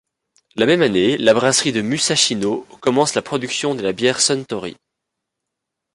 La même année, la brasserie de Musashino commence la production de la bière Suntory.